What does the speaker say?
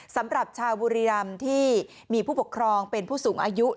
สำหรับชาวบุรีรำที่มีผู้ปกครองเป็นผู้สูงอายุ